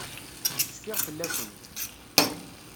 Cfiɣ fell-akent.